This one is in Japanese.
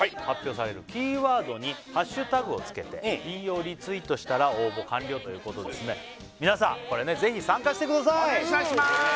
発表されるキーワードにハッシュタグをつけて引用リツイートしたら応募完了ということですねみなさん是非参加してくださいお願いいたしまーす